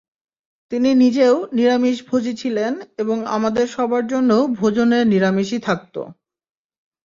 তিনি নিজেও নিরামিষভোজী ছিলেন এবং আমাদের সবার জন্যও ভোজনে নিরামিষই থাকত।